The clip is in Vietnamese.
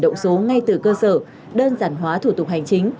động số ngay từ cơ sở đơn giản hóa thủ tục hành chính